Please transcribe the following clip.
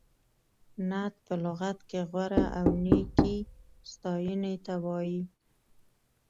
نعت په لغت کې غوره او نېکې ستایینې ته وایي.